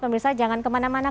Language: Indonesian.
pemirsa jangan kemana mana